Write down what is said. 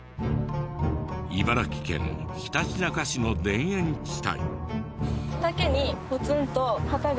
茨城県ひたちなか市の田園地帯。